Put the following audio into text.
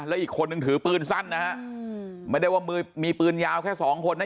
แล้วอีกคนนึงถือปืนสั้นนะฮะไม่ได้ว่ามือมีปืนยาวแค่สองคนนะ